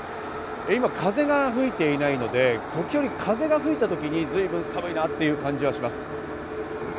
今風が吹いていないので、時折風が吹いたときに随分、寒いなという感じがします。